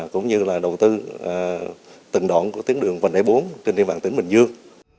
cũng như là đầu tư từng đoạn của tiến đường văn đại bốn trên điện bản tỉnh bình dương